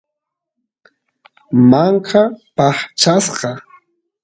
manka paqchasqa